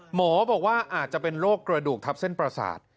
หมอบอกว่าอาจจะเป็นโรคกระดูกทับเส้นประสาท